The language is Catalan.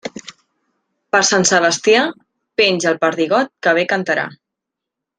Per Sant Sebastià, penja el perdigot, que bé cantarà.